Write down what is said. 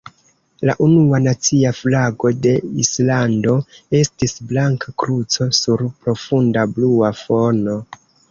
La unua nacia flago de Islando estis blanka kruco sur profunda blua fono.